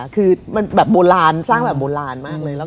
คือมันแบบโบราณสร้างแบบโบราณมากเลย